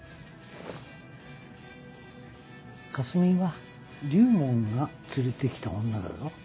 かすみは龍門が連れてきた女だぞ。